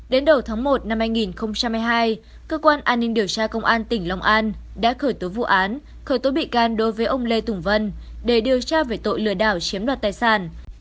đến đầu tháng một năm hai nghìn hai mươi hai cơ quan an ninh điều tra công an tỉnh long an đã khởi tố vụ án khởi tố bị can đối với ông lê tùng vân để điều tra về tội lừa đảo chiếm đoạt tài sản